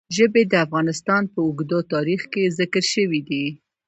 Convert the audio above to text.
ژبې د افغانستان په اوږده تاریخ کې ذکر شوی دی.